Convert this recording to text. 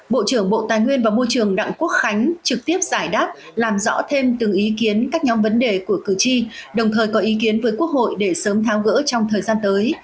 bộ trưởng bộ tài nguyên và môi trường đặng quốc khánh trực tiếp giải đáp làm rõ thêm từng ý kiến các nhóm vấn đề của cử tri đồng thời có ý kiến với quốc hội để sớm tháo gỡ trong thời gian tới